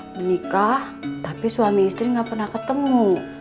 menikah tapi suami istri nggak pernah ketemu